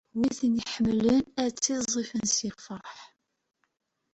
Wid i tt-iḥemmlen, ad ttiẓẓifen si lferḥ.